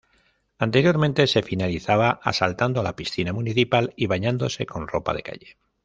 Anteriormente se finalizaba asaltando la piscina municipal y bañándose con ropa de calle.